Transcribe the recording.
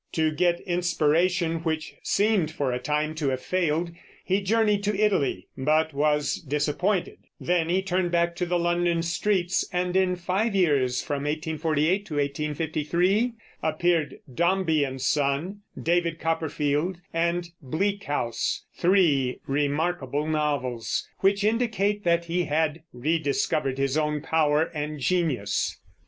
To get inspiration, which seemed for a time to have failed, he journeyed to Italy, but was disappointed. Then he turned back to the London streets, and in the five years from 1848 to 1853 appeared Dombey and Son, David Copperfield, and Bleak House, three remarkable novels, which indicate that he had rediscovered his own power and genius.